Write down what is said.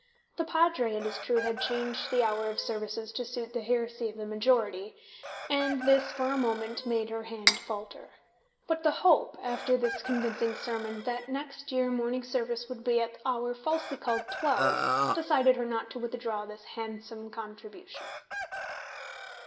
The Padre, it is true, had changed the hour of services to suit the heresy of the majority, and this for a moment made her hand falter. But the hope, after this convincing sermon, that next year morning service would be at the hour falsely called twelve decided her not to withdraw this handsome contribution.